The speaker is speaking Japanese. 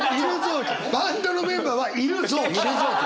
バンドのメンバーはいる臓器！